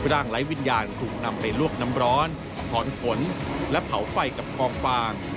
ไร้วิญญาณถูกนำไปลวกน้ำร้อนถอนขนและเผาไฟกับกองฟาง